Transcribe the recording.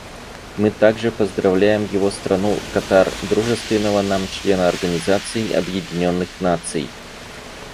Мы также поздравляем его страну, Катар, дружественного нам члена Организации Объединенных Наций.